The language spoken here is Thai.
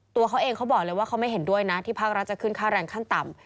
ตัวเขาเองเขาบอกเลยว่าเขาไม่เห็นด้วยนะที่ภาครัฐจะขึ้นค่าแรงขั้นต่ำ